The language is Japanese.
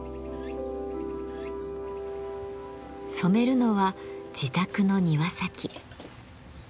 染めるのは自宅の庭先。